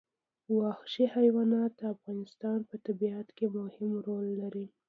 وحشي حیوانات د افغانستان په طبیعت کې مهم رول لري.